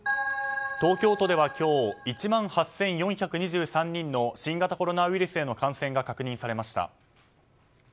東京都では今日、１万８４２３人の新型コロナウイルスへの感染が確認されました。